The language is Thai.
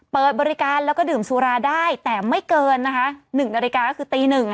เปิดบริการแล้วก็ดื่มสุราได้แต่ไม่เกินนะคะ๑นาฬิกาก็คือตีหนึ่ง